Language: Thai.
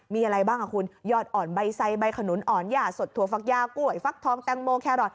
มีอะไรบ้างอ่ะคุณยอดอ่อนใบไซใบขนุนอ่อนหย่าสดถั่วฟักยากล้วยฟักทองแตงโมแครอท